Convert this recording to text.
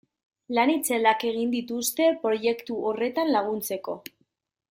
Lan itzelak egin dituzte proiektu horretan laguntzeko.